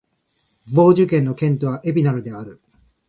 ヴォージュ県の県都はエピナルである